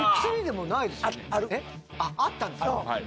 あったんですか。